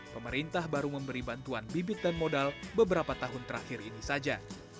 pemerintah baru memberi bantuan bibit dan modal beberapa tahun terakhir ini saja